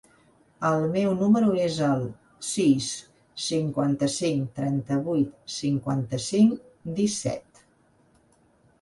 El meu número es el sis, cinquanta-cinc, trenta-vuit, cinquanta-cinc, disset.